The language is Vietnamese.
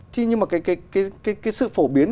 thì nhưng mà cái sự phổ biến